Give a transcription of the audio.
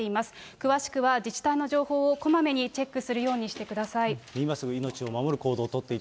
詳しくは自治体の情報をこまめにチェックするようにしてください。